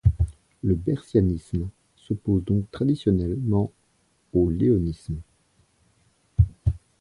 Le bercianisme s'oppose donc traditionnellement au léonisme.